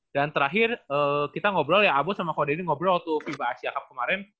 dan terakhir kita ngobrol ya abo sama ko deddy ngobrol tuh viva asia cup kemarin